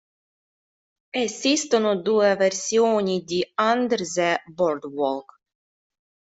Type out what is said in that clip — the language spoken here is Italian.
Esistono due versioni di "Under the Boardwalk".